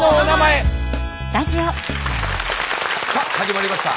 さあ始まりました。